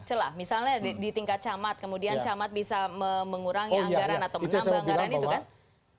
celah misalnya di tingkat camat kemudian camat bisa mengurangi anggaran atau menambang